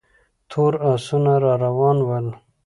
تور آسونه را روان ول.